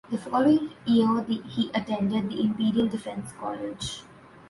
The following year he attended the Imperial Defence College.